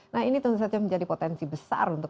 nah ini tentu saja menjadi potensi besar untuk